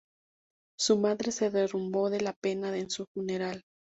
Su madre se derrumbó de la pena en su funeral.